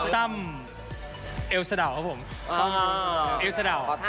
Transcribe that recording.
ตั้มเลยสับลังอะไรล่ะ